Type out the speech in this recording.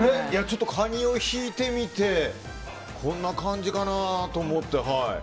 ちょっとカニを引いてみてこんな感じかなと思って。